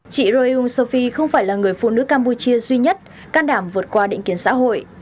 chị royung sofi không phải là người phụ nữ campuchia duy nhất can đảm vượt qua định kiến xã hội